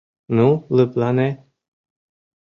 Ну, лыплане.